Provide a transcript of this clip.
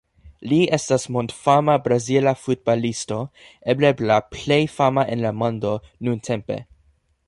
Li estas mondfama Brazila futbalisto, eble la plej fama en la mondo nuntempe.